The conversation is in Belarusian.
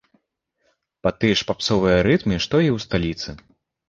Пад тыя ж папсовыя рытмы, што і ў сталіцы.